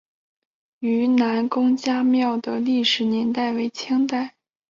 愈南公家庙的历史年代为清代。